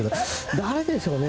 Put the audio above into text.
誰でしょうね。